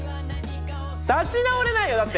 立ち直れないよだって。